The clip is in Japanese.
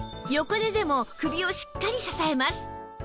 横寝でも首をしっかり支えます